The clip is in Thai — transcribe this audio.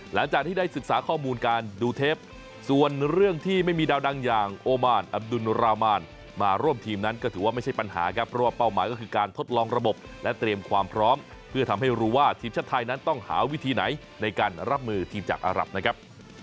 หลังจากที่ได้ศึกษาข้อมูลการดูเทปส่วนเรื่องที่ไม่มีดาวดังอย่างโอมานอับดุลรามานมาร่วมทีมนั้นก็ถือว่าไม่ใช่ปัญหาครับเพราะว่าเป้าหมายก็คือการทดลองระบบและเตรียมความพร้อมเพื่อทำให้รู้ว่าทีมชาติไทยนั้นต้องหาวิธีไหนในการรับมือทีมจากอารับนะครับ